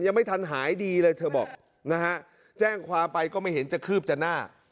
ยังไม่ทันหายดีเลยเธอบอกนะฮะแจ้งความไปก็ไม่เห็นจะคืบจะหน้า